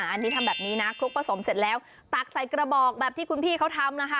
อันนี้ทำแบบนี้นะคลุกผสมเสร็จแล้วตักใส่กระบอกแบบที่คุณพี่เขาทำนะคะ